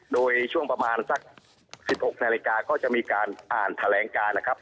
โดยช่วงประมาณสัก๑๖นาฬิกาก็จะมีการอ่านแถลงการนะครับ